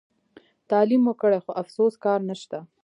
تعلیم مو کړي خو افسوس کار نشته.